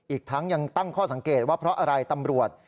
อีกทั้งยังตั้งข้อสังเกตว่าเพราะอะไรตำรวจ